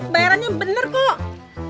bayarannya bener kok